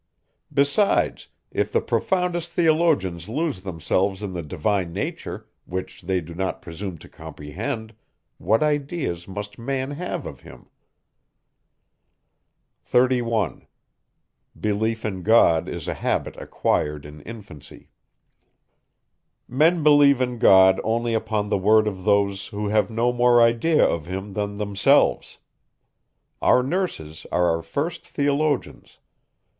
Besides, if the profoundest theologians lose themselves in the divine nature, which they do not presume to comprehend, what ideas must man have of him? 31. Men believe in God only upon the word of those, who have no more idea of him than themselves. Our nurses are our first theologians.